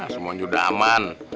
semuanya udah aman